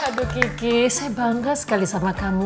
aduh ki ki saya bangga sekali sama kamu